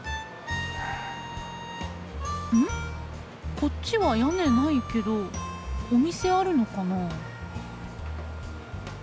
こっちは屋根ないけどお店あるのかな？